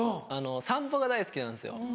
散歩が大好きなんですよ。